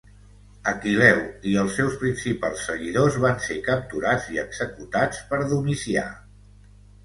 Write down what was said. Aquil·leu i els seus principals seguidors van ser capturats i executats per Domicià.